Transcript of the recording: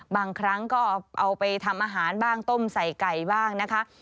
บางครั้งก็เอาไปทำอาหารบ้างต้มใส่ไก่บ้างนะคะ